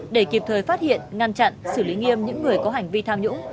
để kịp thời phát hiện ngăn chặn xử lý nghiêm những người có hành vi tham nhũng